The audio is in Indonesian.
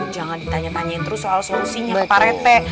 jangan ditanya nanyain terus soal solusinya ke pak rete